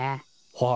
はい。